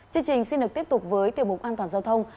chương trình xin được tiếp tục với tiểu mục an toàn giao thông